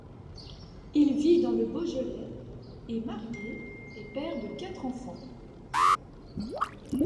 Il vit dans le Beaujolais, est marié et père de quatre enfants.